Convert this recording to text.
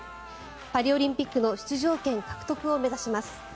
パリオリンピックの出場権獲得を目指します。